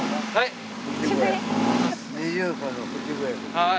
はい？